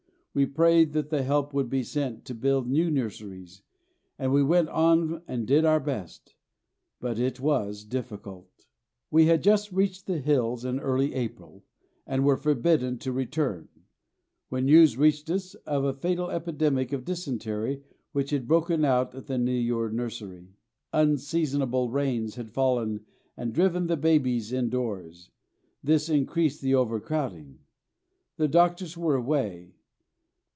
We prayed that help would be sent to build new nurseries, and we went on and did our best; but it was difficult. We had just reached the hills in early April, and were forbidden to return, when news reached us of a fatal epidemic of dysentery which had broken out in the Neyoor nursery. Unseasonable rains had fallen and driven the babies indoors; this increased the overcrowding. The doctors were away.